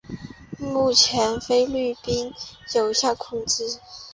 目前被菲律宾有效控制。